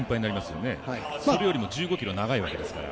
２０よりも１５ｋｍ長いわけですから。